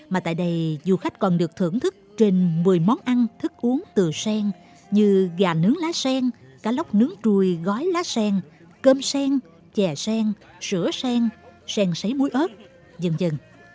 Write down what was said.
mà tại đây du khách còn được thưởng thức trên một mươi món ăn thức uống từ sen như gà nướng lá sen cá lóc nướng chui gói lá sen cơm sen chè sen sữa sen sen sấy muối ớt dần dần